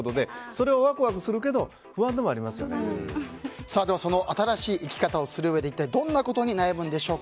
それはワクワクするけど新しい生き方をするうえで一体どんなことに悩むんでしょう。